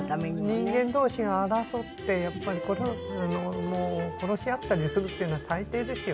人間同士が争ってやっぱり殺し合ったりするっていうのは最低ですよね。